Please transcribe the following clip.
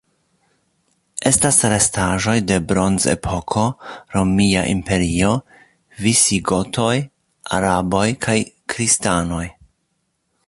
Estas restaĵoj de Bronzepoko, Romia Imperio, visigotoj, araboj kaj kristanoj.